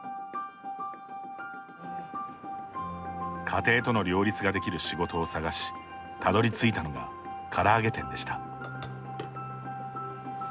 家庭との両立ができる仕事を探したどりついたのがから揚げ店でした。